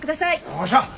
よっしゃ！